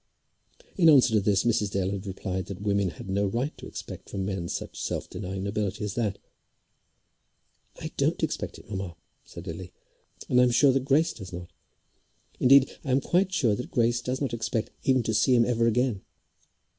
In answer to this Mrs. Dale had replied that women had no right to expect from men such self denying nobility as that. "I don't expect it, mamma," said Lily. "And I am sure that Grace does not. Indeed I am quite sure that Grace does not expect even to see him ever again.